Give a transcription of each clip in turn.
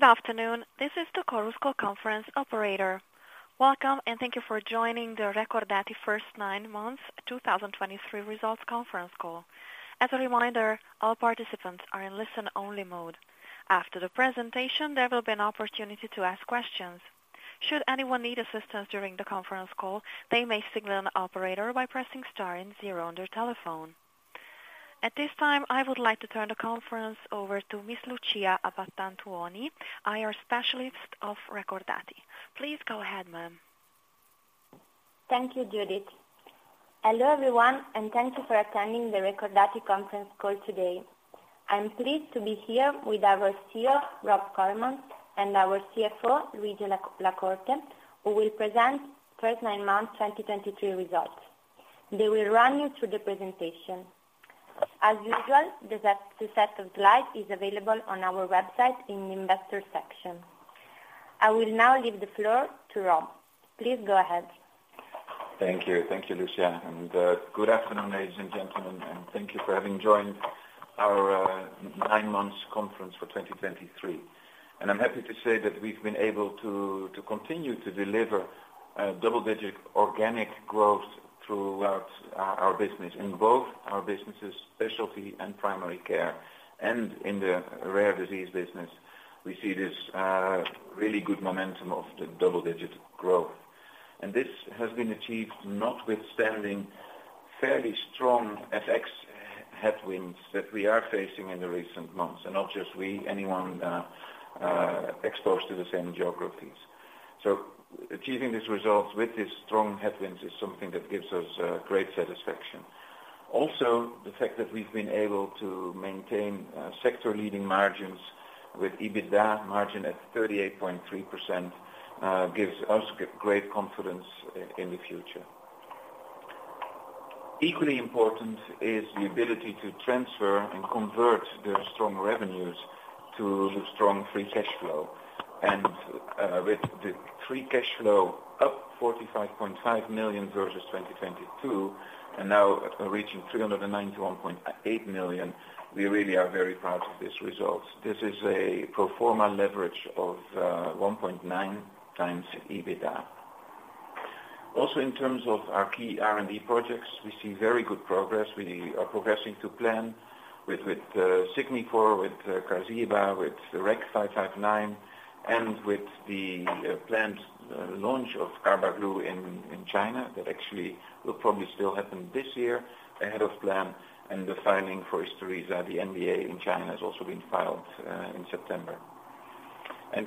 Good afternoon, this is the Chorus Call conference operator. Welcome, and thank you for joining the Recordati first 9 months 2023 results conference call. As a reminder, all participants are in listen-only mode. After the presentation, there will be an opportunity to ask questions. Should anyone need assistance during the conference call, they may signal an operator by pressing star and zero on their telephone. At this time, I would like to turn the conference over to Miss Lucia Abbatantuoni, IR Specialist of Recordati. Please go ahead, ma'am. Thank you, Judith. Hello, everyone, and thank you for attending the Recordati conference call today. I'm pleased to be here with our CEO, Rob Koremans, and our CFO, Luigi La Corte, who will present first 9 months 2023 results. They will run you through the presentation. As usual, the set of slides is available on our website in the investor section. I will now give the floor to Rob. Please go ahead. Thank you. Thank you, Lucia, and good afternoon, ladies and gentlemen, and thank you for having joined our 9 months conference for 2023. I'm happy to say that we've been able to continue to deliver double-digit organic growth throughout our business. In both our businesses, specialty and primary care, and in the rare disease business, we see this really good momentum of the double-digit growth. This has been achieved notwithstanding fairly strong FX headwinds that we are facing in the recent months, and not just we, anyone exposed to the same geographies. So achieving these results with these strong headwinds is something that gives us great satisfaction. Also, the fact that we've been able to maintain sector-leading margins with EBITDA margin at 38.3% gives us great confidence in the future. Equally important is the ability to transfer and convert the strong revenues to strong free cash flow. With the free cash flow up 45.5 million versus 2022, and now reaching 391.8 million, we really are very proud of this result. This is a pro forma leverage of 1.9 times EBITDA. Also, in terms of our key R&D projects, we see very good progress. We are progressing to plan with Signifor, with Qarziba, with REC-559, and with the planned launch of Carbaglu in China. That actually will probably still happen this year, ahead of plan, and the filing for Isturisa, the NDA in China, has also been filed in September.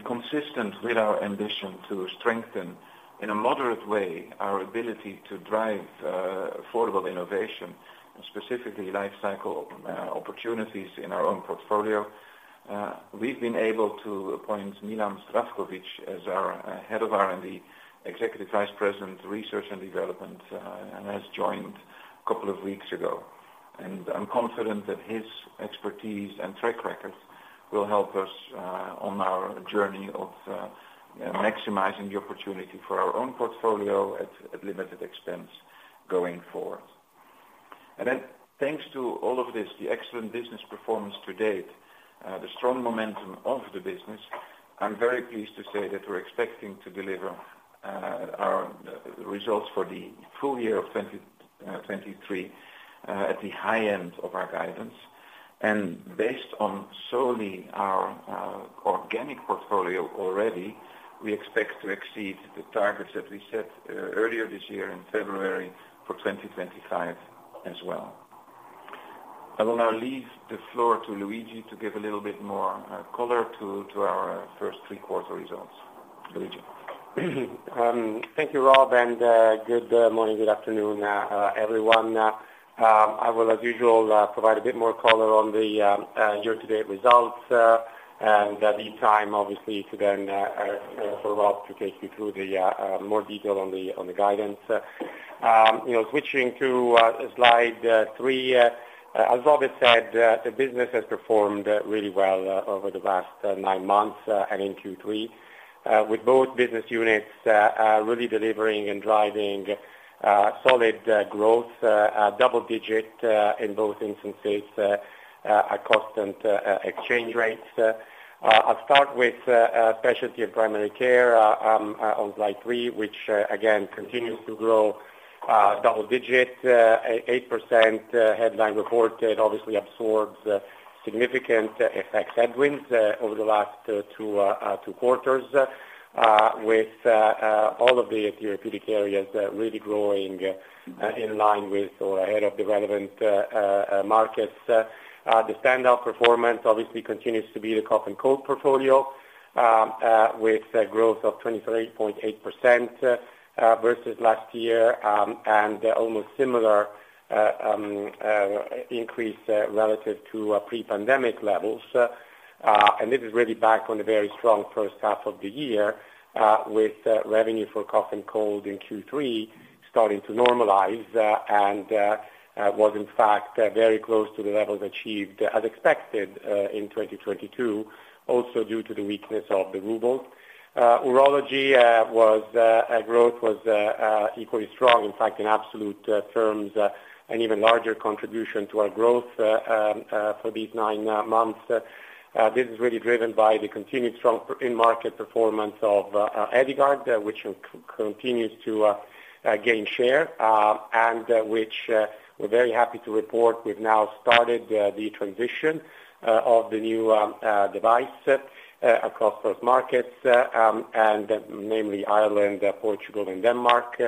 Consistent with our ambition to strengthen, in a moderate way, our ability to drive, affordable innovation, specifically life cycle, opportunities in our own portfolio, we've been able to appoint Milan Zdravkovic as our head of R&D, Executive Vice President, Research and Development, and has joined a couple of weeks ago. And I'm confident that his expertise and track records will help us, on our journey of, maximizing the opportunity for our own portfolio at, limited expense going forward. And then, thanks to all of this, the excellent business performance to date, the strong momentum of the business, I'm very pleased to say that we're expecting to deliver, our results for the full year of 2023, at the high end of our guidance. Based on solely our organic portfolio already, we expect to exceed the targets that we set earlier this year in February for 2025 as well. I will now leave the floor to Luigi to give a little bit more color to our first 3 quarter results. Luigi. Thank you, Rob, and good morning, good afternoon, everyone. I will, as usual, provide a bit more color on the year-to-date results, and the time obviously to then for Rob to take you through the more detail on the guidance. You know, switching to slide 3, as Rob has said, the business has performed really well over the last 9 months and in Q3. With both business units really delivering and driving solid growth, double digit in both instances at constant exchange rates. I'll start with Specialty and Primary Care on slide 3, which again continues to grow double-digit 8% headline reported. It obviously absorbs significant FX headwinds over the last 2 quarters with all of the therapeutic areas really growing in line with or ahead of the relevant markets. The standout performance obviously continues to be the Cough and Cold portfolio with a growth of 23.8% versus last year and almost similar increase relative to pre-pandemic levels. And this is really back on a very strong first half of the year, with revenue for Cough and Cold in Q3 starting to normalize, and was in fact very close to the levels achieved as expected in 2022, also due to the weakness of the ruble. Urology growth was equally strong, in fact, in absolute terms, an even larger contribution to our growth for these 9 months. This is really driven by the continued strong in-market performance of Eligard, which continues to gain share, and which we're very happy to report, we've now started the transition of the new device across those markets, and namely Ireland, Portugal and Denmark.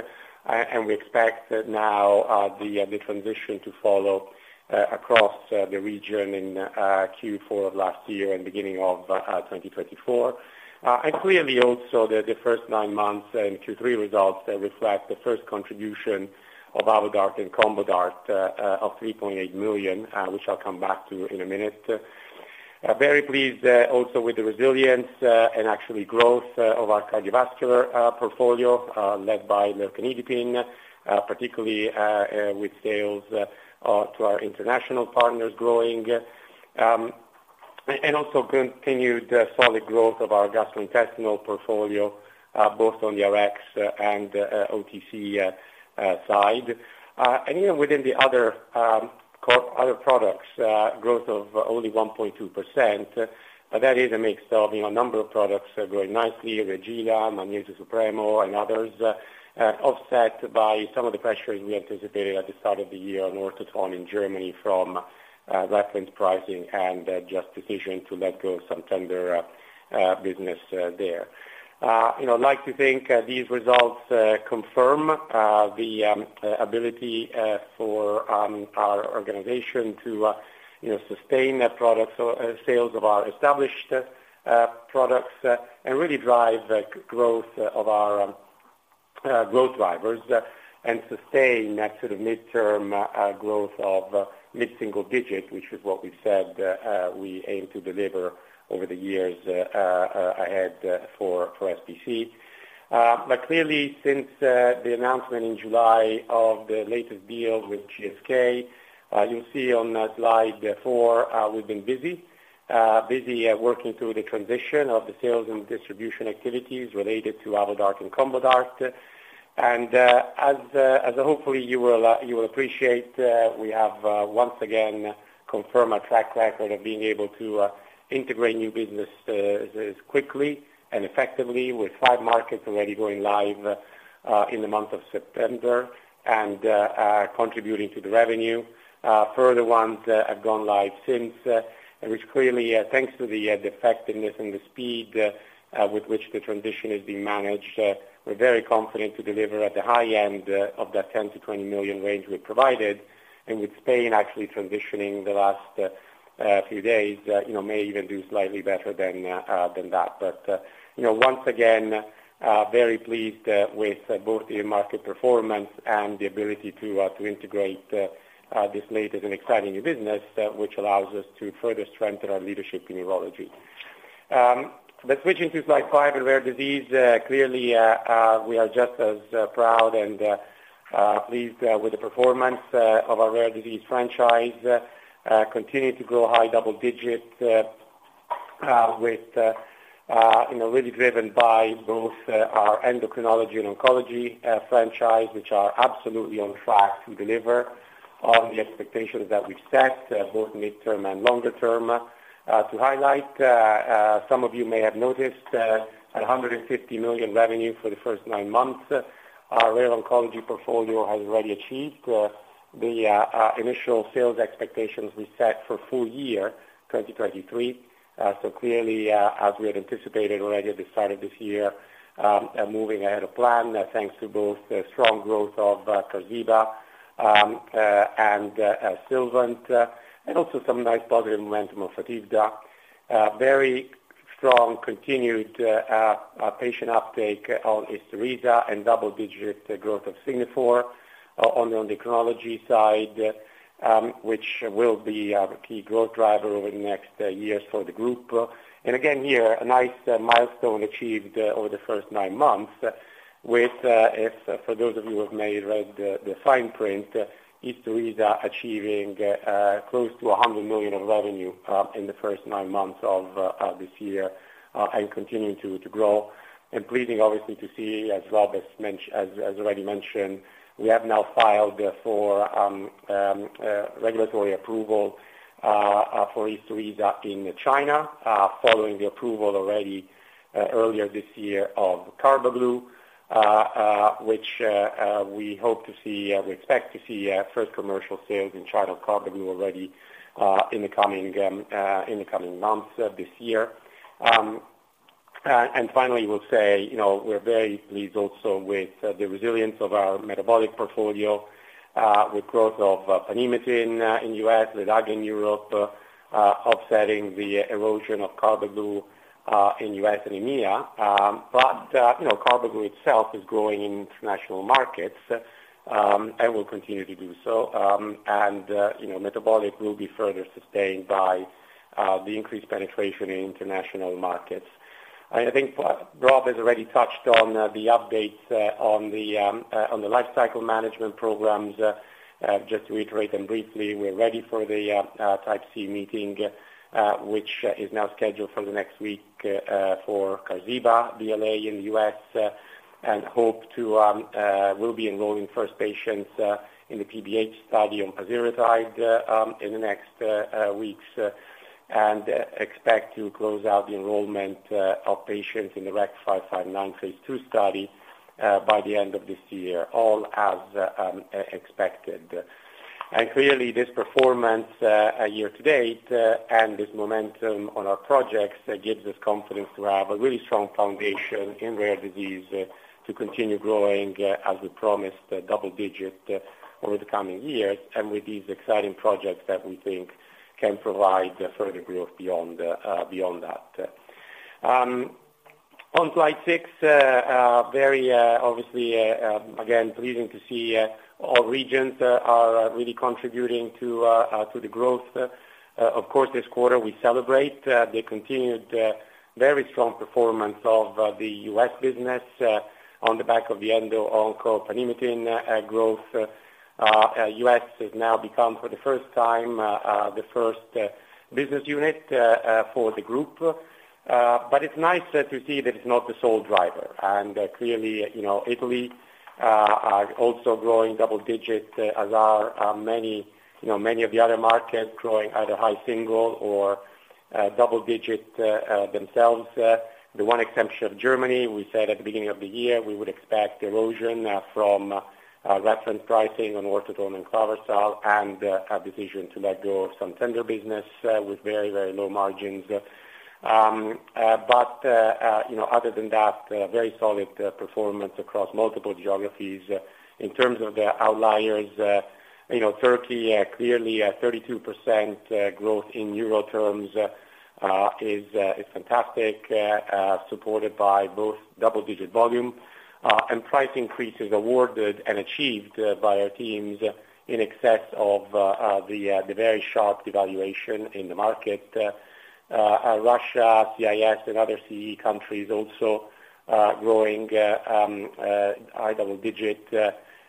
And we expect now the transition to follow across the region in Q4 of last year and beginning of 2024. And clearly also the first 9 months and Q3 results reflect the first contribution of Avodart and Combodart of 3.8 million, which I'll come back to in a minute. Very pleased also with the resilience and actually growth of our cardiovascular portfolio led by Lercanidipine, particularly with sales to our international partners growing. And also continued solid growth of our gastrointestinal portfolio both on the Rx and OTC side. And even within the other, other products, growth of only 1.2%, but that is a mix of, you know, a number of products growing nicely, Reagila, Methadone, Suprefact and others, offset by some of the pressures we anticipated at the start of the year, Ortoton in Germany, from reference pricing and just decision to let go of some tender business there. You know, I'd like to think these results confirm the ability for our organization to, you know, sustain the products or sales of our established products, and really drive the growth of our growth drivers, and sustain that sort of midterm growth of mid-single digits, which is what we said we aim to deliver over the years ahead, for SPC. But clearly, since the announcement in July of the latest deal with GSK, you'll see on slide 4, we've been busy. Busy working through the transition of the sales and distribution activities related to Avodart and Combodart. As hopefully you will appreciate, we have once again confirmed a track record of being able to integrate new business quickly and effectively with 5 markets already going live in the month of September and contributing to the revenue. Further ones have gone live since, which clearly, thanks to the effectiveness and the speed with which the transition is being managed, we're very confident to deliver at the high end of that 10 million-20 million range we provided. With Spain actually transitioning the last few days, you know, may even do slightly better than that. But, you know, once again, very pleased with both the market performance and the ability to integrate this latest and exciting new business, which allows us to further strengthen our leadership in urology. But switching to slide 5, in rare disease, clearly we are just as proud and pleased with the performance of our rare disease franchise. Continue to grow high double digits with, you know, really driven by both our endocrinology and oncology franchise, which are absolutely on track to deliver on the expectations that we've set, both midterm and longer term. To highlight, some of you may have noticed 150 million revenue for the first 9 months. Our rare oncology portfolio has already achieved the initial sales expectations we set for full year 2023. So clearly, as we had anticipated already at the start of this year, moving ahead of plan, thanks to both the strong growth of Qarziba and Sylvant and also some nice positive momentum of Fotivda. A very strong continued patient uptake on Isturisa and double-digit growth of Signifor on the endocrinology side, which will be a key growth driver over the next years for the group. Again, here, a nice milestone achieved over the first 9 months with, if for those of you who may have read the fine print, Isturisa achieving close to 100 million of revenue in the first 9 months of this year and continuing to grow. Pleasing obviously to see, as already mentioned, we have now filed for regulatory approval for Isturisa in China, following the approval already earlier this year of Carbaglu, which we hope to see, we expect to see first commercial sales in China of Carbaglu already in the coming months this year. And finally, we'll say, you know, we're very pleased also with the resilience of our metabolic portfolio, with growth of Panhematin in US, Ledaga in Europe, offsetting the erosion of Carbaglu, in US and EMEA. But, you know, Carbaglu itself is growing in international markets, and will continue to do so. And, you know, metabolic will be further sustained by the increased penetration in international markets. I think Rob has already touched on the updates on the lifecycle management programs. Just to reiterate them briefly, we're ready for the Type C meeting, which is now scheduled for next week, for Qarziba BLA in the U.S., and hope to will be enrolling first patients in the PBH study on pasireotide in the next weeks, and expect to close out the enrollment of patients in the REC-559 phase II study by the end of this year, all as expected. And clearly, this performance year to date and this momentum on our projects gives us confidence to have a really strong foundation in rare disease to continue growing, as we promised, double digit over the coming years, and with these exciting projects that we think can provide further growth beyond that. On Slide 6, very obviously, again, pleasing to see all regions are really contributing to the growth. Of course, this quarter, we celebrate the continued very strong performance of the US business on the back of the Endo/Onco Panhematin growth. US has now become, for the first time, the first business unit for the group. But it's nice to see that it's not the sole driver, and clearly, you know, Italy are also growing double digits, as are many, you know, many of the other markets growing at a high single or double digit themselves. The one exception of Germany, we said at the beginning of the year, we would expect erosion from reference pricing on Ortoton and Claversal, and a decision to let go of some tender business with very, very low margins. You know, other than that, very solid performance across multiple geographies. In terms of the outliers, you know, Turkey clearly at 32% growth in Euro terms is fantastic, supported by both double digit volume and price increases awarded and achieved by our teams in excess of the very sharp devaluation in the market. Russia, CIS and other CE countries also growing high double digit,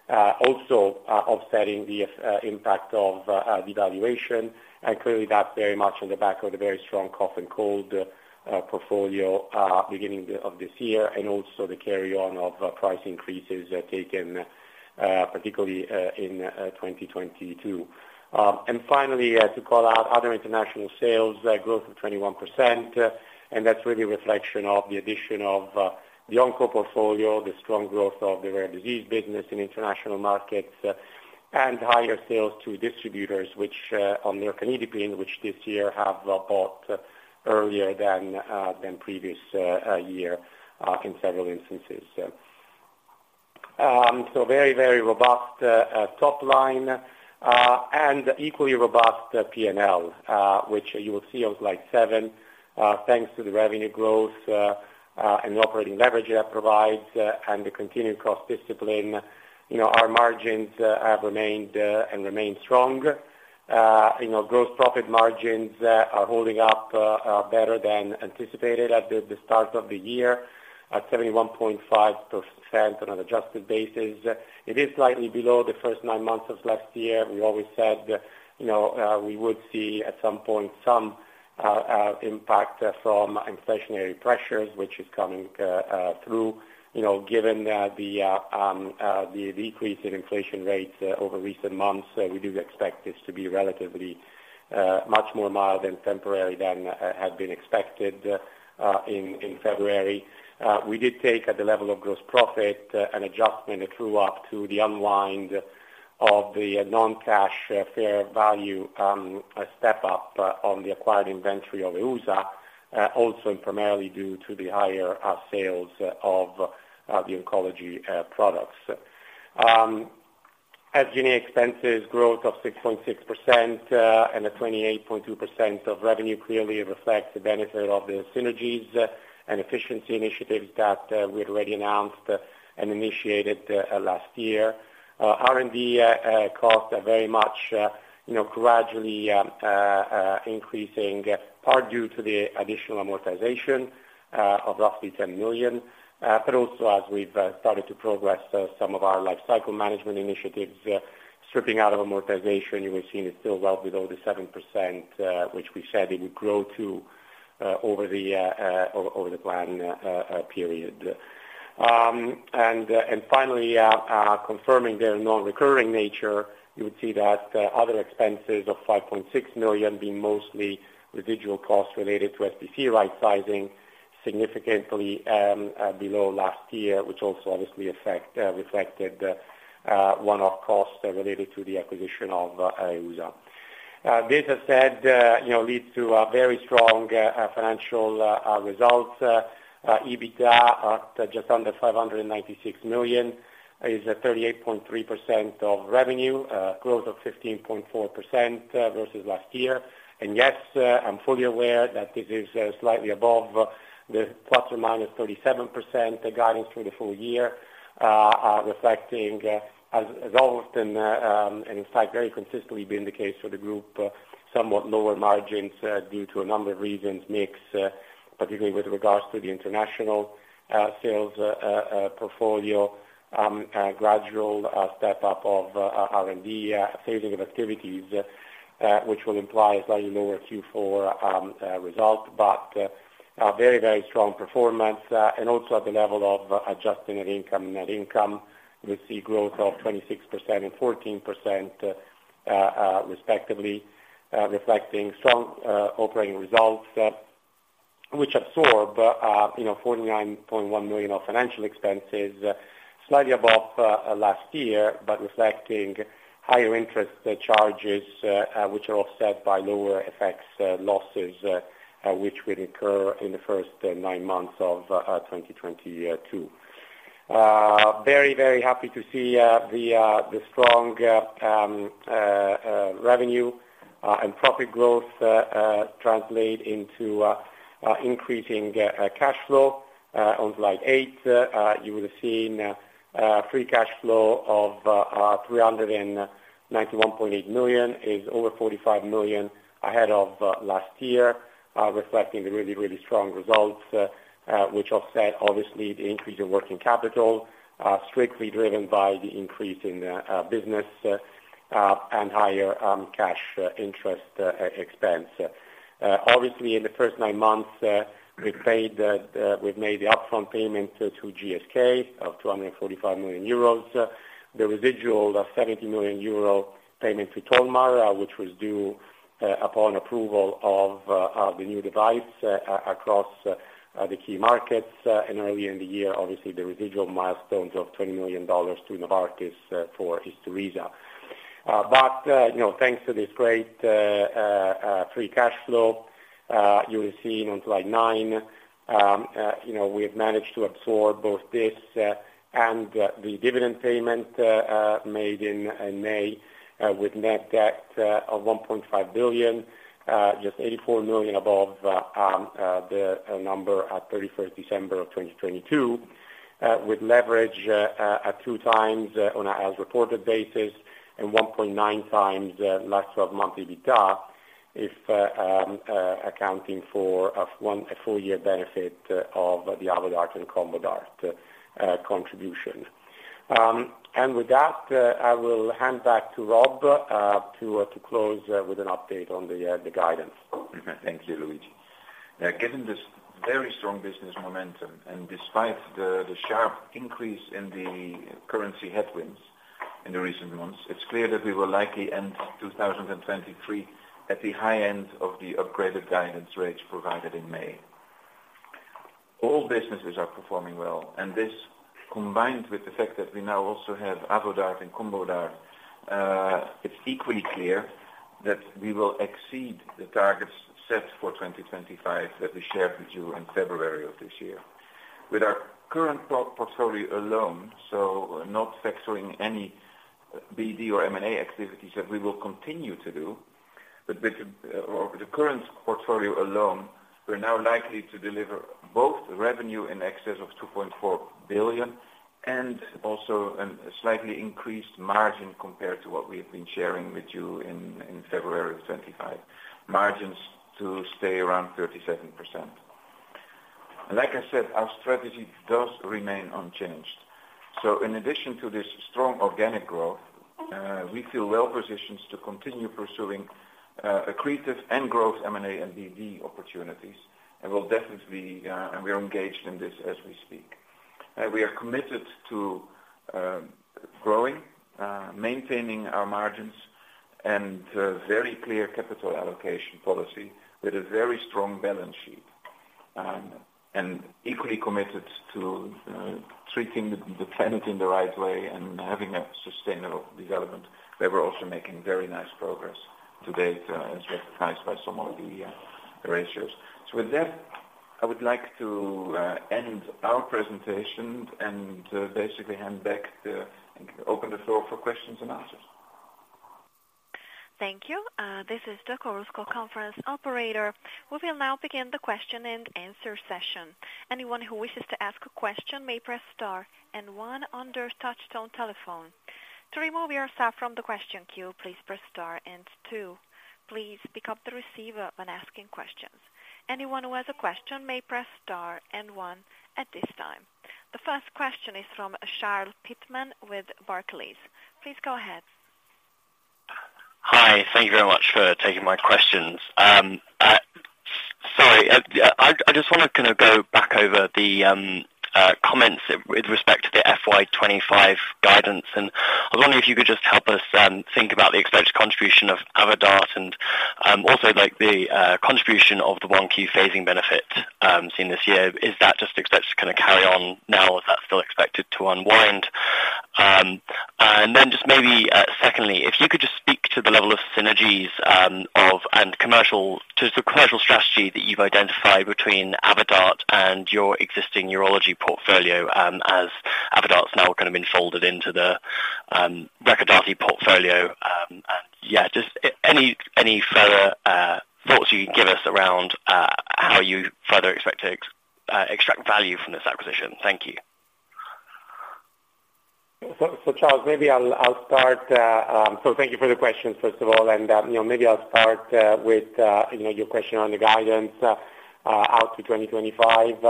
also offsetting the impact of devaluation. Clearly, that's very much on the back of the very strong cough and cold portfolio beginning of this year, and also the carry on of price increases taken particularly in 2022. Finally, to call out other international sales growth of 21%, and that's really a reflection of the addition of the Onco portfolio, the strong growth of the rare disease business in international markets, and higher sales to distributors, which on the lercanidipine, which this year have bought earlier than previous year in several instances. Very, very robust top line, and equally robust PNL, which you will see on Slide 7. Thanks to the revenue growth, and the operating leverage that provides, and the continued cost discipline, you know, our margins have remained, and remain strong. You know, gross profit margins are holding up, better than anticipated at the start of the year, at 71.5% on an adjusted basis. It is slightly below the first 9 months of last year. We always said, you know, we would see at some point some impact from inflationary pressures, which is coming through. You know, given the decrease in inflation rates over recent months, we do expect this to be relatively much more mild and temporary than had been expected in February. We did take, at the level of gross profit, an adjustment through up to the unwind of the non-cash fair value step up on the acquired inventory of EUSA, also primarily due to the higher sales of the oncology products. As SG&A expenses, growth of 6.6%, and a 28.2% of revenue clearly reflects the benefit of the synergies and efficiency initiatives that we already announced and initiated last year. R&D costs are very much, you know, gradually increasing, part due to the additional amortization of roughly 10 million, but also as we've started to progress some of our life cycle management initiatives, stripping out of amortization, you will see it's still well below the 7%, which we said it would grow to over the planning period. And finally, confirming their non-recurring nature, you would see that other expenses of 5.6 million being mostly residual costs related to SPC rightsizing significantly below last year, which also obviously reflected one-off costs related to the acquisition of EUSA. This said, you know, leads to a very strong financial results. EBITDA at just under 596 million is 38.3% of revenue, growth of 15.4%, versus last year. And yes, I'm fully aware that this is slightly above the ±37%, the guidance for the full year, reflecting, as always, and in fact, very consistently been the case for the group, somewhat lower margins due to a number of reasons, mix, particularly with regards to the international sales portfolio, gradual step up of R&D saving of activities, which will imply a slightly lower Q4 result, but... Very, very strong performance, and also at the level of adjusting net income and net income, we see growth of 26% and 14%, respectively, reflecting strong, operating results, which absorb, you know, 49.1 million of financial expenses, slightly above last year, but reflecting higher interest charges, which are offset by lower effects, losses, which would occur in the first 9 months of 2022. Very, very happy to see the strong revenue and profit growth translate into increasing cash flow. On slide 8, you would have seen free cash flow of 391.8 million, which is over 45 million ahead of last year, reflecting the really, really strong results, which offset obviously the increase in working capital, strictly driven by the increase in business and higher cash interest expense. Obviously, in the first 9 months, we've made the upfront payment to GSK of 245 million euros. The residual of 70 million euro payment to Tolmar, which was due upon approval of the new device across the key markets, and earlier in the year, obviously, the residual milestones of $20 million to Novartis for Isturisa. But, you know, thanks to this great free cash flow, you will see on slide 9, you know, we have managed to absorb both this and the dividend payment made in May, with net debt of 1.5 billion just 84 million above the number at 31st December 2022. With leverage at 2x on a as reported basis, and 1.9x last twelve months EBITDA, accounting for a full year benefit of the Avodart and Combodart contribution. And with that, I will hand back to Rob to close with an update on the guidance. Thank you, Luigi. Given this very strong business momentum, and despite the sharp increase in the currency headwinds in the recent months, it's clear that we will likely end 2023 at the high end of the upgraded guidance rates provided in May. All businesses are performing well, and this, combined with the fact that we now also have Avodart and Combodart, it's equally clear that we will exceed the targets set for 2025 that we shared with you in February of this year. With our current portfolio alone, so not factoring any BD or M&A activities that we will continue to do, but with or the current portfolio alone, we're now likely to deliver both revenue in excess of 2.4 billion and also a slightly increased margin compared to what we have been sharing with you in February of 2025. Margins to stay around 37%. Like I said, our strategy does remain unchanged. So in addition to this strong organic growth, we feel well positioned to continue pursuing accretive and growth M&A and BD opportunities, and we'll definitely and we are engaged in this as we speak. We are committed to growing, maintaining our margins, and very clear capital allocation policy with a very strong balance sheet, and equally committed to treating the planet in the right way and having a sustainable development. Where we're also making very nice progress to date, as recognized by some of the ratios. So with that, I would like to end our presentation and basically open the floor for questions and answers. Thank you. This is the Chorus Call conference operator. We will now begin the question and answer session. Anyone who wishes to ask a question may press star and 1 on their touchtone telephone. To remove yourself from the question queue, please press star and 2. Please pick up the receiver when asking questions. Anyone who has a question may press star and 1 at this time. The first question is from Charles Pitman with Barclays. Please go ahead. Hi, thank you very much for taking my questions. Sorry, I just wanna kind of go back over the comments with respect to the FY 25 guidance, and I was wondering if you could just help us think about the expected contribution of Avodart and also, like, the contribution of the 1 key phasing benefit seen this year. Is that just expected to kind of carry on now, or is that still expected to unwind? And then just maybe, secondly, if you could just speak to the level of synergies of and commercial, to the commercial strategy that you've identified between Avodart and your existing urology portfolio, as Avodart's now kind of been folded into the Recordati portfolio. Yeah, just any further thoughts you can give us around how you further expect to extract value from this acquisition? Thank you. So, Charles, maybe I'll start. So thank you for the question, first of all, and, you know, maybe I'll start with, you know, your question on the guidance out to 2025. You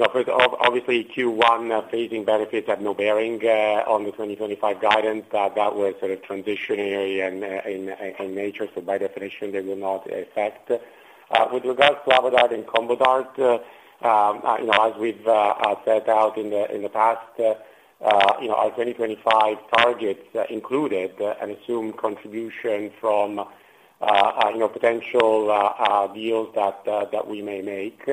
know, first, obviously, Q1 phasing benefits have no bearing on the 2025 guidance. That was sort of transitionary and in nature, so by definition, they will not affect. With regards to Avodart and Combodart, you know, as we've set out in the past, you know, our 2025 targets included an assumed contribution from, you know, potential deals that we may make.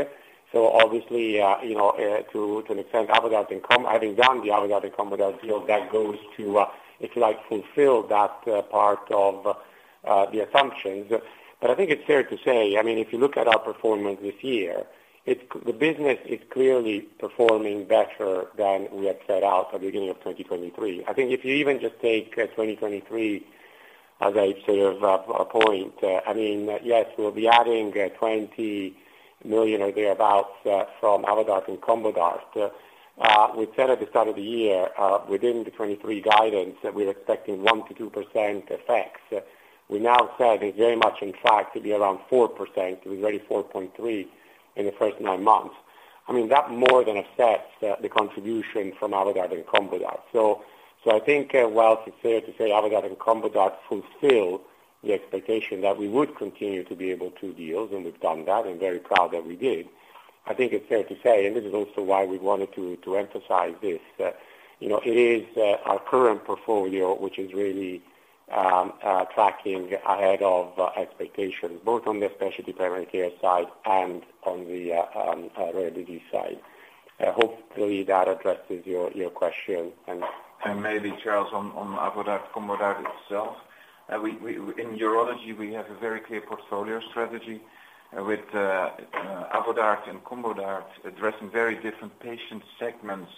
So obviously, you know, to an extent, Avodart and Combodart—having done the Avodart and Combodart deal, that goes to, if you like, fulfill that part of the assumptions. But I think it's fair to say, I mean, if you look at our performance this year, it's, the business is clearly performing better than we had set out at the beginning of 2023. I think if you even just take 2023, as I say, as a point, I mean, yes, we'll be adding 20 million or thereabouts from Avodart and Combodart. We said at the start of the year, within the 2023 guidance, that we're expecting 1%-2% effects. We now said it's very much on track to be around 4%. We're already 4.3% in the first 9 months. I mean, that more than offsets, the contribution from Avodart and Combodart. So, so I think, while it's fair to say Avodart and Combodart fulfill the expectation that we would continue to be able to do deals, and we've done that, and very proud that we did. I think it's fair to say, and this is also why we wanted to, to emphasize this, you know, it is, our current portfolio, which is really, tracking ahead of expectations, both on the specialty primary care side and on the, RRD side. Hopefully, that addresses your, your question. And- And maybe, Charles, on Avodart, Combodart itself, we in urology, we have a very clear portfolio strategy with Avodart and Combodart addressing very different patient segments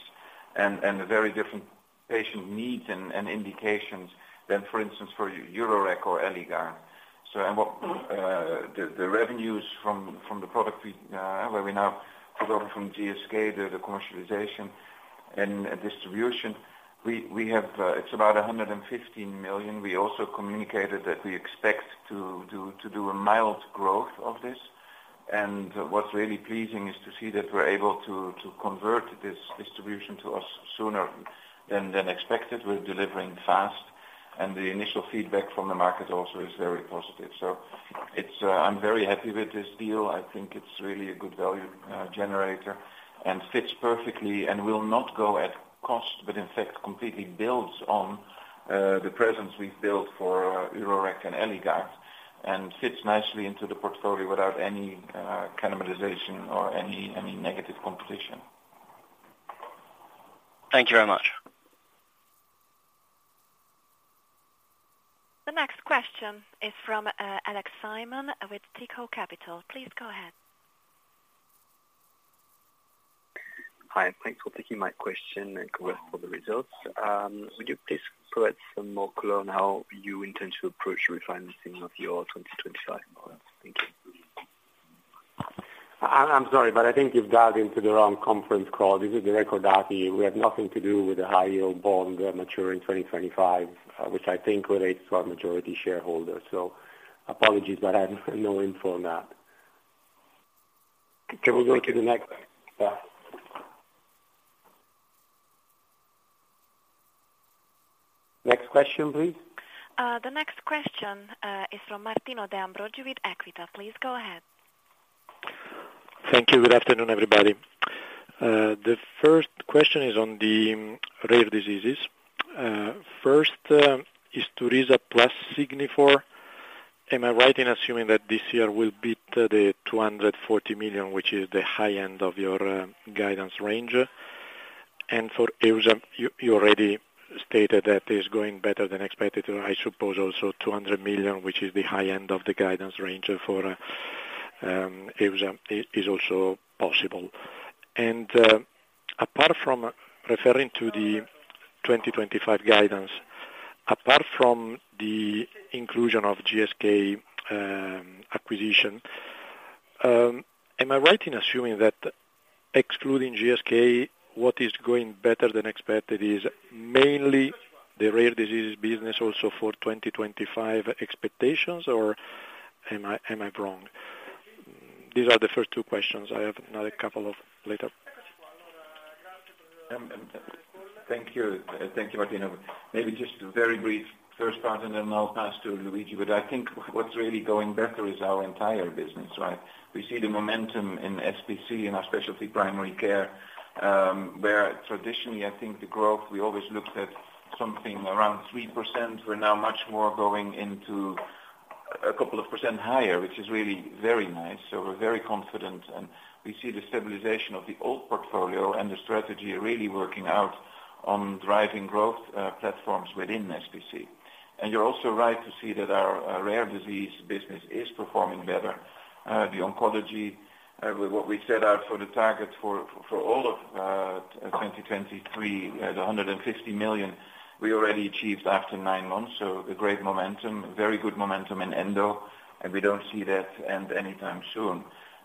and very different patient needs and indications than, for instance, Urorec or Eligard. So and what the revenues from the product where we now took over from GSK, the commercialization and distribution, we have, it's about 115 million. We also communicated that we expect to do a mild growth of this. And what's really pleasing is to see that we're able to convert this distribution to us sooner than expected. We're delivering fast, and the initial feedback from the market also is very positive. So it's... I'm very happy with this deal. I think it's really a good value generator and fits perfectly and will not go at cost, but in fact, completely builds on the presence we've built for Urorec and Eligard and fits nicely into the portfolio without any cannibalization or any negative competition. Thank you very much. The next question is from Alex Simon with Tikehau Capital. Please go ahead. Hi, thanks for taking my question, and congrats for the results. Would you please provide some more color on how you intend to approach refinancing of your 2025 maturities? Thank you. I'm sorry, but I think you've dialed into the wrong conference call. This is Recordati. We have nothing to do with the high yield bond maturing in 2025, which I think relates to our majority shareholder. So apologies, but I have no info on that. Can we go to the next? Yeah. Next question, please. The next question is from Martino De Ambroggi with Equita. Please go ahead. Thank you. Good afternoon, everybody. The first question is on the rare diseases. First, is Isturisa plus Signifor, am I right in assuming that this year will beat the 240 million, which is the high end of your guidance range? And for Isturisa, you, you already stated that it's going better than expected. I suppose also 200 million, which is the high end of the guidance range for Isturisa, is also possible. And apart from referring to the 2025 guidance, apart from the inclusion of GSK acquisition, am I right in assuming that excluding GSK, what is going better than expected is mainly the rare disease business also for 2025 expectations, or am I wrong? These are the first 2 questions. I have another couple later. Thank you. Thank you, Martino. Maybe just a very brief first part, and then I'll pass to Luigi. But I think what's really going better is our entire business, right? We see the momentum in SPC, in our specialty primary care, where traditionally, I think the growth, we always looked at something around 3%. We're now much more going into a couple of % higher, which is really very nice. So we're very confident, and we see the stabilization of the old portfolio and the strategy really working out on driving growth, platforms within SPC. And you're also right to see that our, our rare disease business is performing better. The oncology, what we set out for the target for, for all of, 2023, at 150 million, we already achieved after 9 months. So a great momentum, very good momentum in Endo, and we don't see that end anytime soon.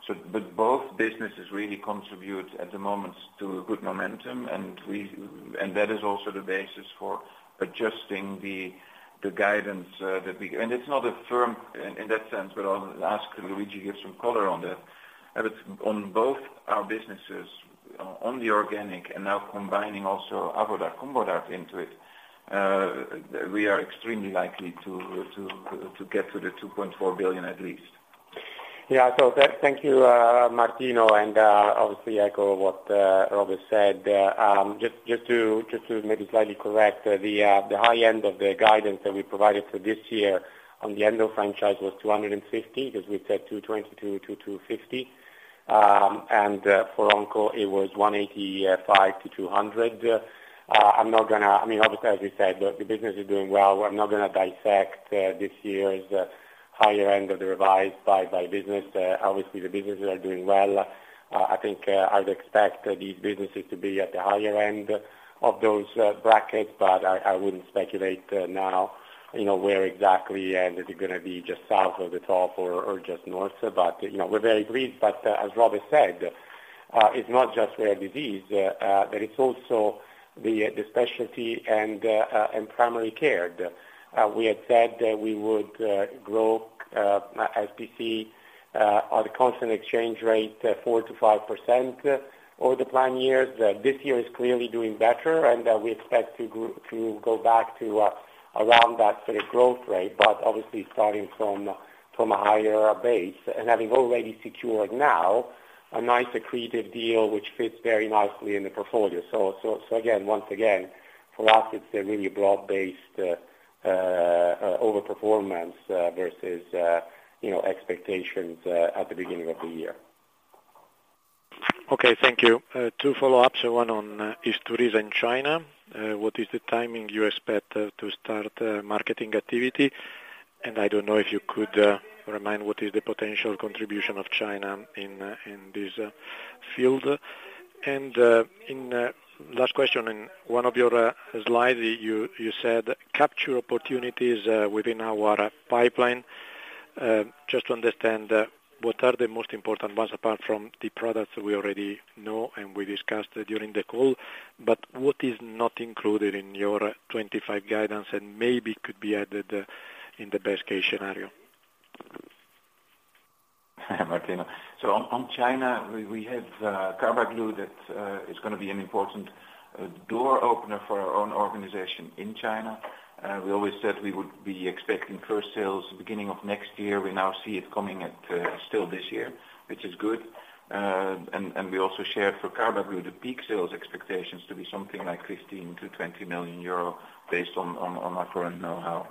So but both businesses really contribute at the moment to a good momentum, and that is also the basis for adjusting the guidance that we. And it's not a firm in that sense, but I'll ask Luigi to give some color on that. But on both our businesses, on the organic and now combining also Avodart and Combodart into it, we are extremely likely to get to 2.4 billion at least. Yeah, so thank you, Martino, and obviously, I echo what Rob has said. Just to maybe slightly correct, the high end of the guidance that we provided for this year on the Endo franchise was 250, because we said 220-250. And for Onco, it was 185-200. I'm not gonna, I mean, obviously, as we said, the business is doing well. I'm not gonna dissect this year's higher end of the revised by business. Obviously, the businesses are doing well. I think I'd expect these businesses to be at the higher end of those brackets, but I wouldn't speculate now, you know, where exactly, and it is gonna be just south of the top or just north. But you know, we're very pleased. But as Rob has said, it's not just rare disease, there is also the specialty and primary care. We had said that we would grow SPC at a constant exchange rate 4%-5% over the plan years. This year is clearly doing better, and we expect to go back to around that sort of growth rate. But obviously starting from a higher base and having already secured now a nice accretive deal, which fits very nicely in the portfolio. So, again, once again, for us, it's a really broad-based overperformance versus, you know, expectations at the beginning of the year. Okay, thank you. 2 follow-ups. 1 on Isturisa in China. What is the timing you expect to start marketing activity? And I don't know if you could remind what is the potential contribution of China in this field. And last question, in one of your slides, you said, "Capture opportunities within our pipeline." Just to understand, what are the most important ones, apart from the products we already know and we discussed during the call, but what is not included in your 25 guidance and maybe could be added in the best case scenario? Martino. So on China, we have Carbaglu, that is gonna be an important door opener for our own organization in China. We always said we would be expecting first sales beginning of next year. We now see it coming at still this year, which is good. And we also shared for Carbaglu, the peak sales expectations to be something like 15 million-20 million euro based on our current know-how.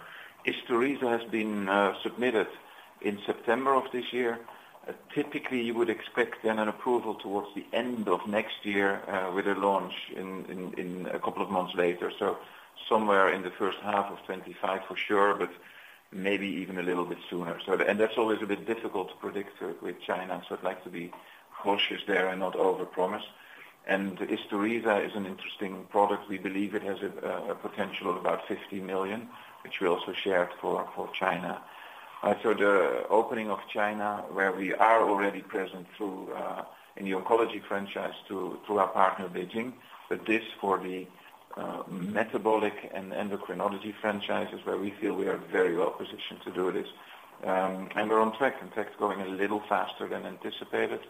Isturisa has been submitted in September of this year. Typically, you would expect then an approval towards the end of next year, with a launch in a couple of months later. So somewhere in the first half of 2025, for sure, but maybe even a little bit sooner. So... That's always a bit difficult to predict with China, so I'd like to be cautious there and not overpromise. Isturisa is an interesting product. We believe it has a potential of about 50 million, which we also shared for China. So the opening of China, where we are already present through in the oncology franchise through our partner, BeiGene, but this for the metabolic and endocrinology franchises, where we feel we are very well positioned to do this. And we're on track, in fact, going a little faster than anticipated,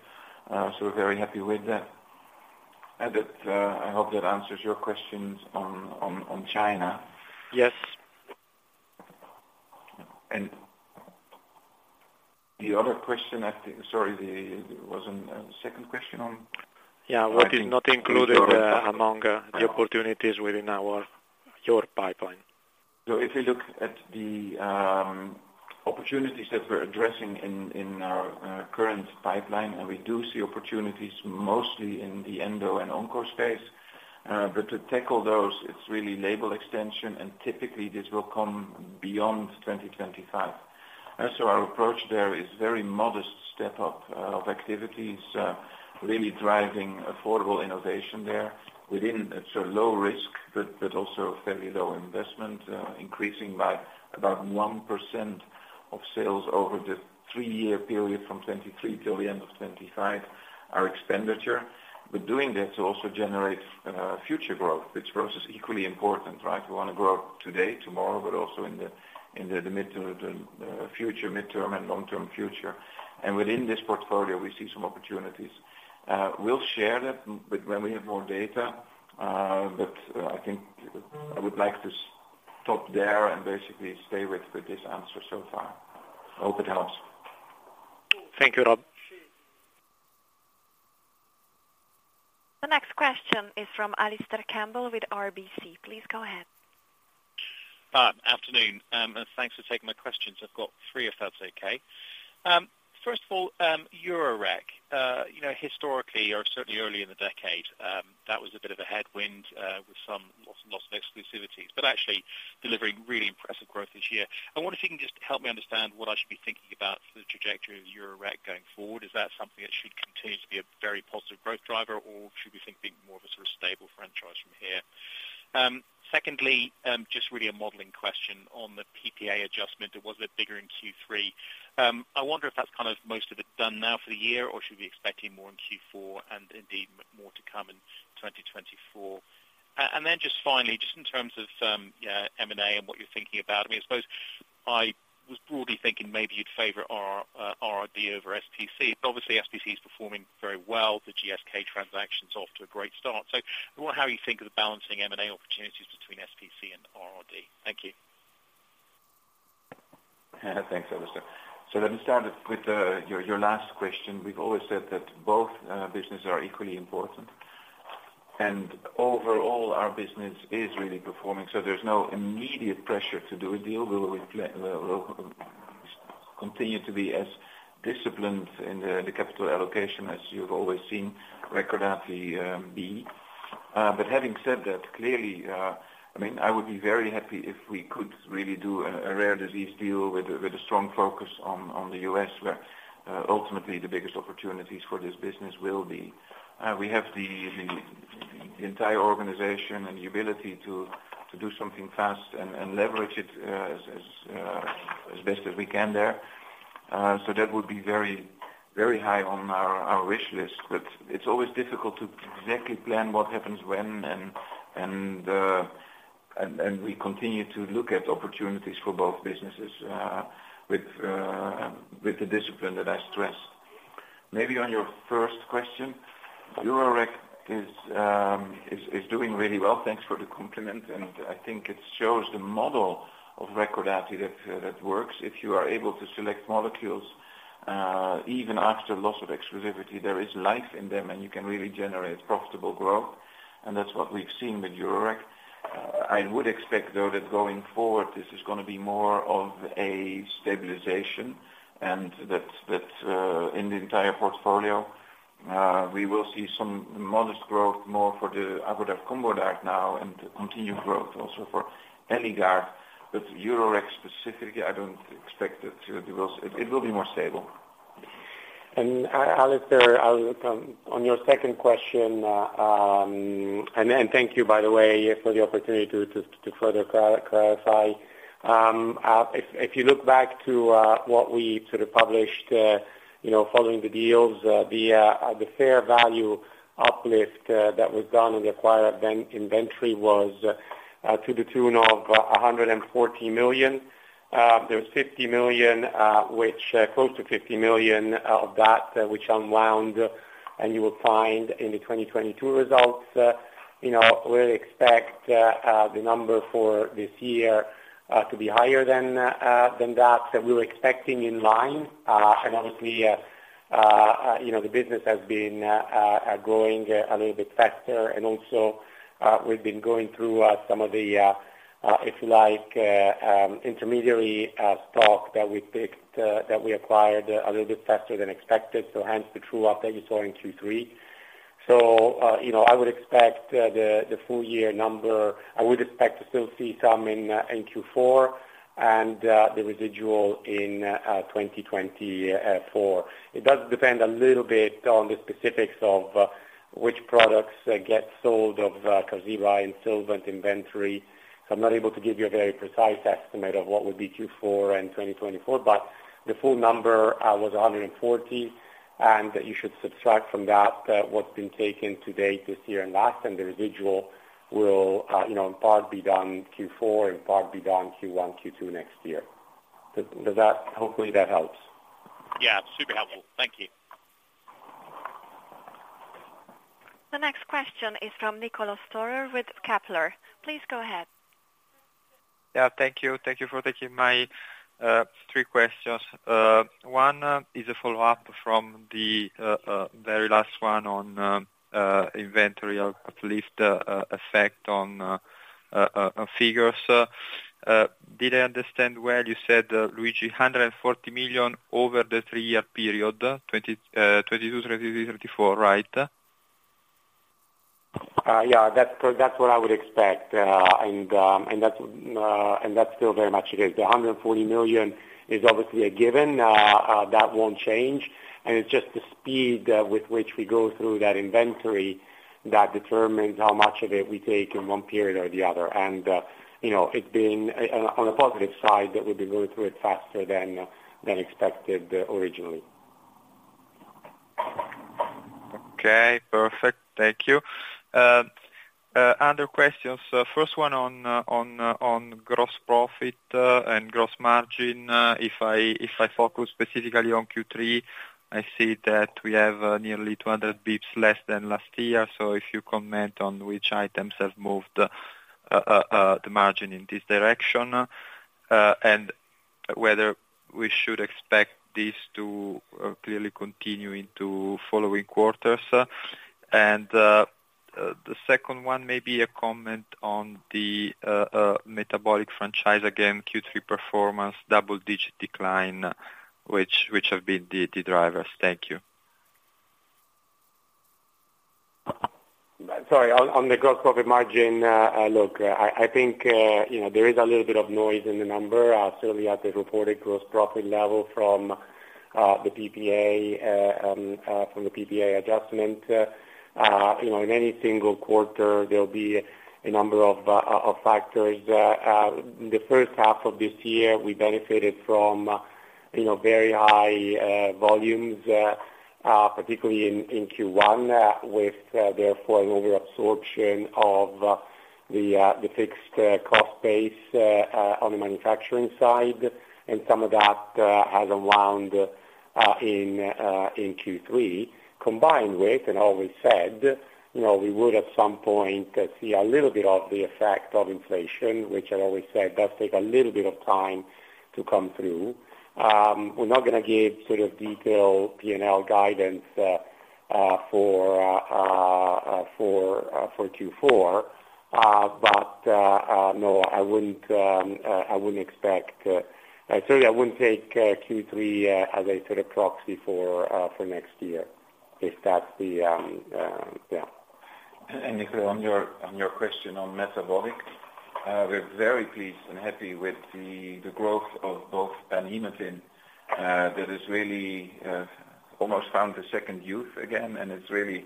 so we're very happy with that. That I hope that answers your questions on China. Yes. The other question, I think... Sorry, there was a second question on? Yeah, what is not included among the opportunities within our, your pipeline? So if you look at the opportunities that we're addressing in our current pipeline, and we do see opportunities mostly in the endo and onco space, but to tackle those, it's really label extension, and typically, this will come beyond 2025. So our approach there is very modest step up of activities, really driving affordable innovation there within a low risk, but also a fairly low investment, increasing by about 1% of sales over the 3-year period from 2023 till the end of 2025, our expenditure. But doing that also generates future growth, which for us is equally important, right? We want to grow today, tomorrow, but also in the mid-term future, mid-term and long-term future. And within this portfolio, we see some opportunities. We'll share that, but when we have more data, I think I would like to stop there and basically stay with this answer so far. Hope it helps. Thank you, Rob. The next question is from Alistair Campbell with RBC. Please go ahead. Afternoon, and thanks for taking my questions. I've got 3, if that's okay. First of all, Urorec, you know, historically or certainly early in the decade, that was a bit of a headwind, with some loss of exclusivities, but actually delivering really impressive growth this year. I wonder if you can just help me understand what I should be thinking about for the trajectory of Urorec going forward. Is that something that should continue to be a very positive growth driver, or should we be thinking more of a sort of stable franchise from here? Secondly, just really a modeling question on the PPA adjustment. It was a bit bigger in Q3. I wonder if that's kind of most of it done now for the year, or should we be expecting more in Q4 and indeed, more to come in 2024? And then just finally, just in terms of, yeah, M&A and what you're thinking about, I mean, I suppose-... I was broadly thinking maybe you'd favor R, RRD over SPC. Obviously, SPC is performing very well. The GSK transaction's off to a great start. So I wonder how you think of the balancing M&A opportunities between SPC and RRD. Thank you. Thanks, Alistair. So let me start with your last question. We've always said that both businesses are equally important, and overall, our business is really performing, so there's no immediate pressure to do a deal. We will continue to be as disciplined in the capital allocation as you've always seen Recordati be. But having said that, clearly, I mean, I would be very happy if we could really do a rare disease deal with a strong focus on the U.S., where ultimately the biggest opportunities for this business will be. We have the entire organization and the ability to do something fast and leverage it as best as we can there. So that would be very, very high on our wish list. But it's always difficult to exactly plan what happens when, and we continue to look at opportunities for both businesses, with the discipline that I stress. Maybe on your first question, Urorec is doing really well. Thanks for the compliment, and I think it shows the model of Recordati that that works. If you are able to select molecules, even after loss of exclusivity, there is life in them, and you can really generate profitable growth, and that's what we've seen with Urorec. I would expect, though, that going forward, this is gonna be more of a stabilization, and that that in the entire portfolio, we will see some modest growth, more for the Avodart Combodart now and continued growth also for Eligard. But Urorec specifically, I don't expect it to, because it will be more stable. And Alistair, I'll on your second question, and thank you, by the way, for the opportunity to to to further clarify. If you look back to what we sort of published, you know, following the deals, the fair value uplift that was done in the acquired vendor inventory was to the tune of 140 million. There was 50 million, which close to 50 million of that, which unwound, and you will find in the 2022 results. You know, we'll expect the number for this year to be higher than that that we were expecting in line. And obviously, you know, the business has been growing a little bit faster, and also, we've been going through some of the, if you like, intermediary stock that we picked that we acquired a little bit faster than expected, so hence the true up that you saw in Q3. So, you know, I would expect the full year number, I would expect to still see some in Q4 and the residual in 2024. It does depend a little bit on the specifics of which products get sold of Carbaglu and Sylvant inventory. I'm not able to give you a very precise estimate of what would be Q4 2024, but the full number was 140, and you should subtract from that what's been taken to date this year and last, and the residual will, you know, in part be done Q4 and part be done Q1, Q2 next year. Does that... hopefully that helps. Yeah, super helpful. Thank you. The next question is from Nicolò Storer with Kepler. Please go ahead. Yeah, thank you. Thank you for taking my 3 questions. One is a follow-up from the very last one on inventory, at least, effect on figures. Did I understand well, you said, Luigi, 140 million over the 3-year period, 2022, 2023, 2024, right? Yeah, that's what I would expect. And that's still very much it is. The 140 million is obviously a given. That won't change, and it's just the speed with which we go through that inventory that determines how much of it we take in one period or the other. And you know, it being on a positive side, that we'll be going through it faster than expected originally. Okay, perfect. Thank you. Other questions, first one on gross profit and gross margin. If I focus specifically on Q3, I see that we have nearly 200 basis points less than last year. So if you comment on which items have moved the margin in this direction, and whether we should expect this to clearly continue into following quarters. And the second one may be a comment on the metabolic franchise. Again, Q3 performance, double-digit decline, which have been the drivers. Thank you. Sorry, on the gross profit margin, look, I think, you know, there is a little bit of noise in the number, certainly at the reported gross profit level from the PPA, from the PPA adjustment. You know, in any single quarter, there'll be a number of factors. The first half of this year, we benefited from you know, very high volumes, particularly in Q1, with therefore, an overabsorption of the fixed cost base on the manufacturing side, and some of that has unwound in Q3, combined with, and always said, you know, we would, at some point, see a little bit of the effect of inflation, which I've always said, does take a little bit of time to come through. We're not gonna give sort of detailed PNL guidance for Q4. But no, I wouldn't expect, sorry, I wouldn't take Q3 as a sort of proxy for next year, if that's yeah. Nicola, on your question on metabolic, we're very pleased and happy with the growth of both Panhematin, that has really almost found a second youth again, and it's really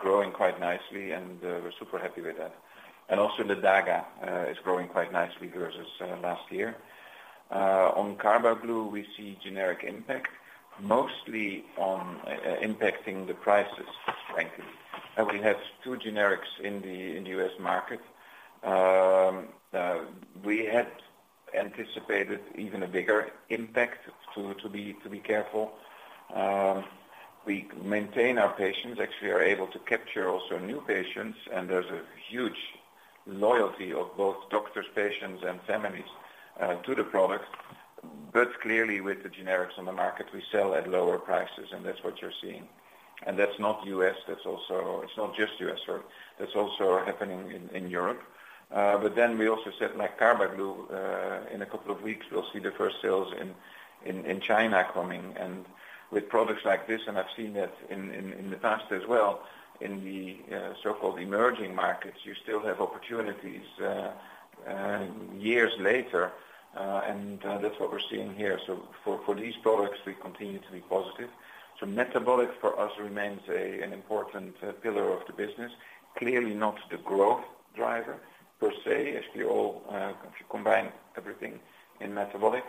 growing quite nicely, and we're super happy with that. And also, Ledaga is growing quite nicely versus last year. On Carbaglu, we see generic impact, mostly impacting the prices, frankly. And we have 2 generics in the U.S. market. We had anticipated even a bigger impact to be careful. We maintain our patients, actually are able to capture also new patients, and there's a huge loyalty of both doctors, patients, and families to the product. But clearly, with the generics on the market, we sell at lower prices, and that's what you're seeing. And that's not US, that's also... It's not just US, sorry. That's also happening in Europe. But then we also said, like Carbaglu, in a couple of weeks, we'll see the first sales in China coming. And with products like this, and I've seen it in the past as well, in the so-called emerging markets, you still have opportunities years later, and that's what we're seeing here. So for these products, we continue to be positive. So metabolic, for us, remains an important pillar of the business. Clearly not the growth driver per se, if you combine everything in metabolic,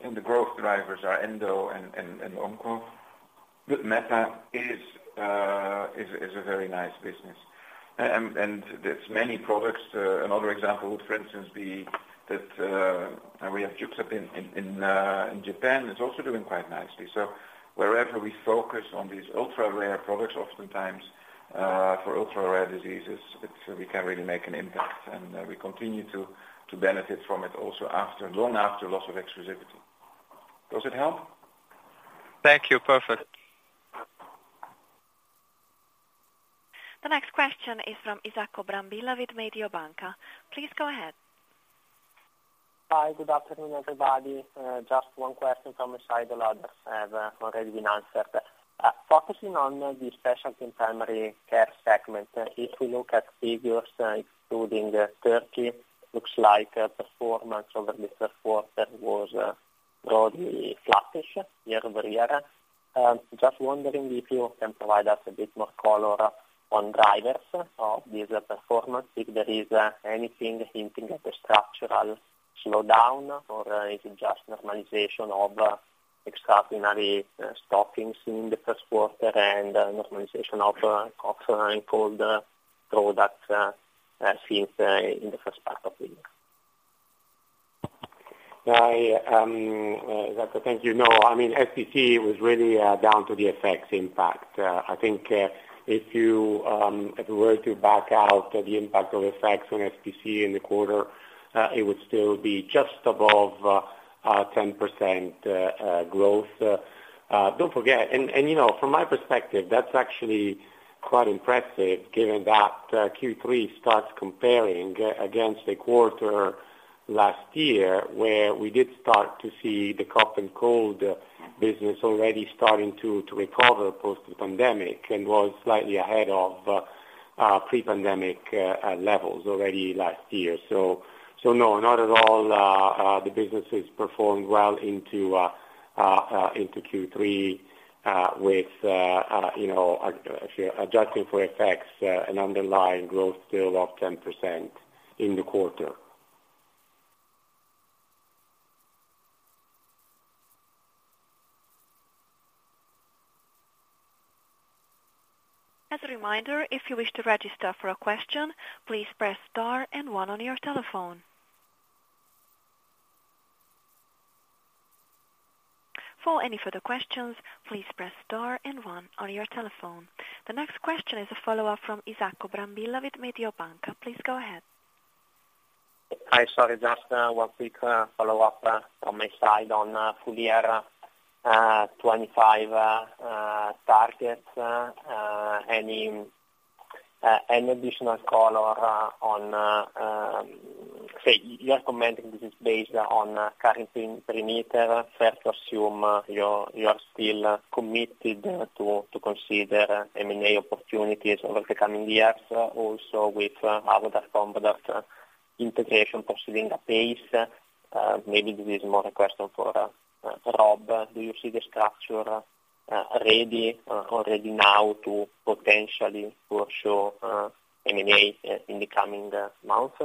and the growth drivers are Endo and Onco. But meta is a very nice business. And there's many products. Another example would, for instance, be that we have Juxtapid in Japan. It's also doing quite nicely. So wherever we focus on these ultra-rare products, oftentimes for ultra-rare diseases, it's we can really make an impact, and we continue to benefit from it also after long after loss of exclusivity. Does it help? Thank you. Perfect. The next question is from Isacco Brambilla with Mediobanca. Please go ahead. Hi, good afternoon, everybody. Just 1 question from the side that have already been answered. Focusing on the specialty and primary care segment, if we look at figures, including Turkey, looks like performance over the third quarter was broadly flattish year-over-year. Just wondering if you can provide us a bit more color on drivers of this performance, if there is anything hinting at a structural slowdown, or is it just normalization of extraordinary stockings in the first quarter and normalization of cough and cold products since in the first part of the year? I, Isacco, thank you. No, I mean, SPC was really down to the FX impact. I think, if you, if we were to back out the impact of FX on SPC in the quarter, it would still be just above 10% growth. Don't forget... And, you know, from my perspective, that's actually quite impressive, given that Q3 starts comparing against a quarter last year, where we did start to see the cough and cold business already starting to recover post the pandemic, and was slightly ahead of pre-pandemic levels already last year. So, no, not at all, the business has performed well into Q3, with, you know, if you're adjusting for effects, an underlying growth still of 10% in the quarter. As a reminder, if you wish to register for a question, please press star and 1 on your telephone. For any further questions, please press star and 1 on your telephone. The next question is a follow-up from Isacco Brambilla with Mediobanca. Please go ahead. Hi, sorry, just 1 quick follow-up from my side on full year 2025 targets. Any additional color on, say, you are commenting this is based on current parameters. Fair to assume, you're, you are still committed to, to consider M&A opportunities over the coming years, also with other competitor integration proceeding apace. Maybe this is more a question for Rob. Do you see the structure... ready, already now to potentially for sure M&A in the coming months?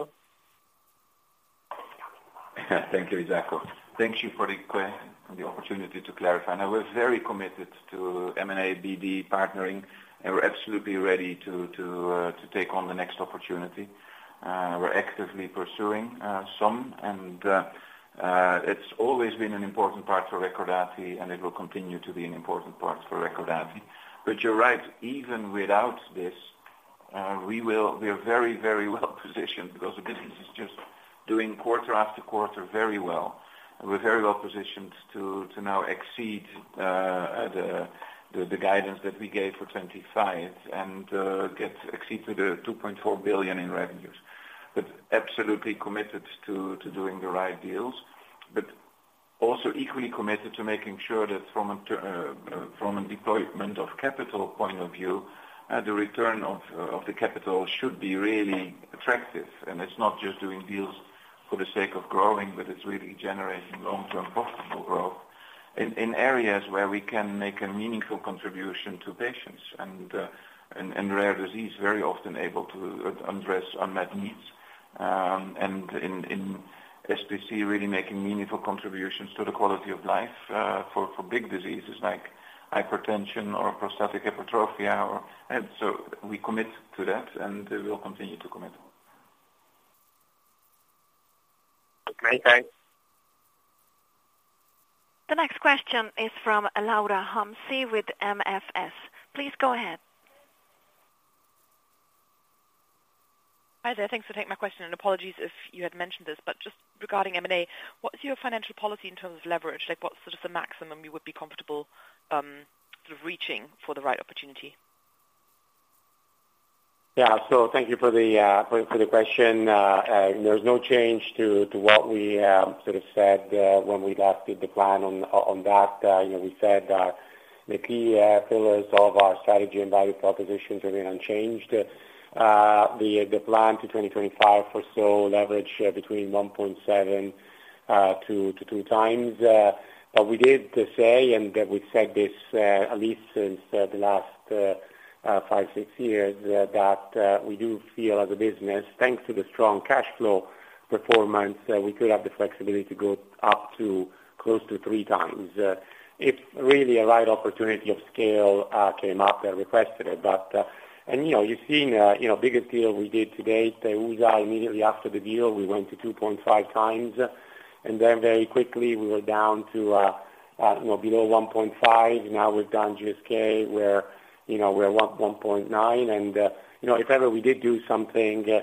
Thank you, Isacco. Thank you for the opportunity to clarify. I was very committed to M&A, BD partnering, and we're absolutely ready to take on the next opportunity. We're actively pursuing some, and it's always been an important part for Recordati, and it will continue to be an important part for Recordati. But you're right, even without this, we are very, very well positioned because the business is just doing quarter after quarter very well. We're very well positioned to now exceed the guidance that we gave for 2025 and get to exceed 2.4 billion in revenues. But absolutely committed to doing the right deals, but also equally committed to making sure that from a deployment of capital point of view, the return of the capital should be really attractive. And it's not just doing deals for the sake of growing, but it's really generating long-term profitable growth in areas where we can make a meaningful contribution to patients and rare disease, very often able to address unmet needs. And in SPC, really making meaningful contributions to the quality of life for big diseases like hypertension or prostatic hypertrophy or... And so we commit to that, and we'll continue to commit. Okay, thanks. The next question is from Laura Hamsher with MFS. Please go ahead. Hi there. Thanks for taking my question, and apologies if you had mentioned this, but just regarding M&A, what is your financial policy in terms of leverage? Like, what's sort of the maximum you would be comfortable, sort of reaching for the right opportunity? Yeah. So thank you for the for the question. There's no change to what we sort of said when we last did the plan on that. You know, we said that the key pillars of our strategy and value propositions remain unchanged. The plan to 2025 for so leverage between 1.7-2 times. But we did say, and we've said this at least since the last 5, 6 years, that we do feel as a business, thanks to the strong cash flow performance, we could have the flexibility to go up to close to 3 times. If really a right opportunity of scale came up, I requested it. But... You know, you've seen, you know, biggest deal we did to date. Immediately after the deal, we went to 2.5 times, and then very quickly, we were down to, you know, below 1.5. Now, we've done GSK, where, you know, we're 1.9. And, you know, if ever we did do something, you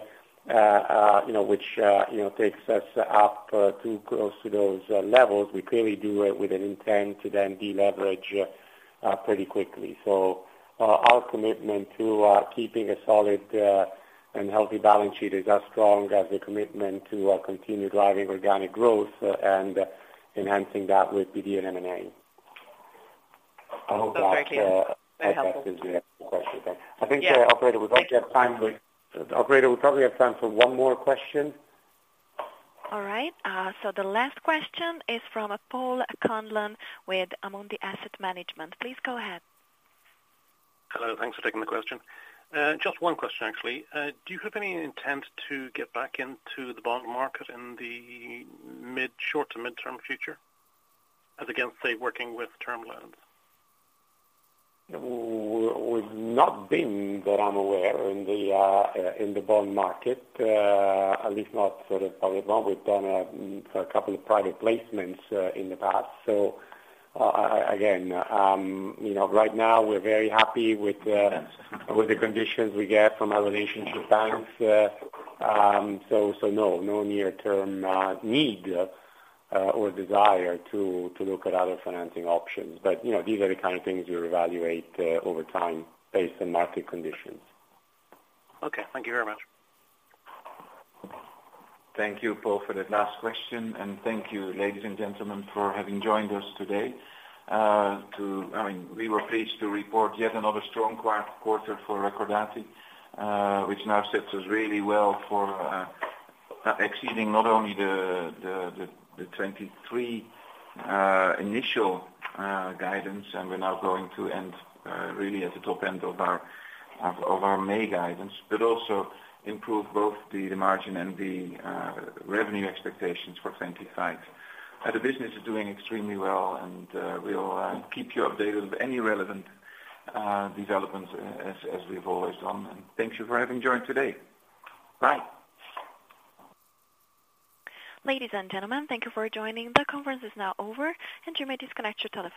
know, which, you know, takes us up too close to those levels, we clearly do it with an intent to then deleverage pretty quickly. So, our commitment to keeping a solid and healthy balance sheet is as strong as the commitment to continue driving organic growth and enhancing that with BD and M&A. Thank you. I hope that answers your question. Yeah. I think, operator, we probably have time. Operator, we probably have time for 1 more question. All right, so the last question is from Paul Coughlan with Amundi Asset Management. Please go ahead. Hello, thanks for taking the question. Just 1 question, actually. Do you have any intent to get back into the bond market in the mid, short to midterm future, as against, say, working with term loans? We've not been, that I'm aware, in the bond market, at least not sort of public bond. We've done a couple of private placements in the past. So, again, you know, right now we're very happy with the conditions we get from our relationship banks. So, no near-term need or desire to look at other financing options. But, you know, these are the kind of things we evaluate over time based on market conditions. Okay. Thank you very much. Thank you, Paul, for that last question. And thank you, ladies and gentlemen, for having joined us today. I mean, we were pleased to report yet another strong Q1 quarter for Recordati, which now sets us really well for exceeding not only the 2023 initial guidance, and we're now going to end really at the top end of our May guidance, but also improve both the margin and the revenue expectations for 2025. The business is doing extremely well, and we'll keep you updated with any relevant developments as we've always done. And thank you for having joined today. Bye. Ladies and gentlemen, thank you for joining. The conference is now over, and you may disconnect your telephones.